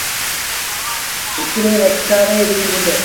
هڪڙيٚ وسڪآري ريٚ مند۔